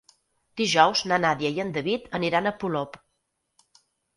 Dijous na Nàdia i en David aniran a Polop.